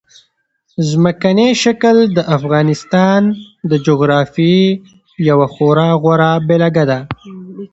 ځمکنی شکل د افغانستان د جغرافیې یوه خورا غوره بېلګه ده.